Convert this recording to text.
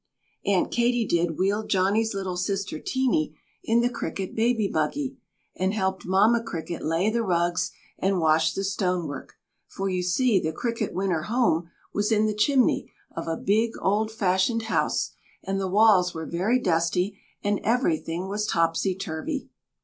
Aunt Katy Didd wheeled Johnny's little sister Teeny in the Cricket baby buggy and helped Mamma Cricket lay the rugs and wash the stone work, for you see the Cricket winter home was in the chimney of a big old fashioned house and the walls were very dusty, and everything was topsy turvy.